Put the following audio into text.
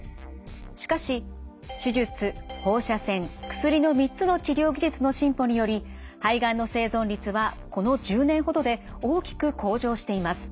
しかし手術放射線薬の３つの治療技術の進歩により肺がんの生存率はこの１０年ほどで大きく向上しています。